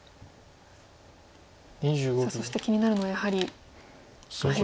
さあそして気になるのはやはり下辺ですか。